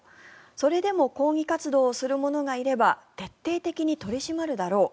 それでも抗議活動をする者がいれば徹底的に取り締まるだろう